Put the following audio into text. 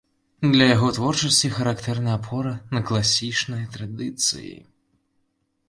Для яго творчасці характэрна апора на класічныя традыцыі.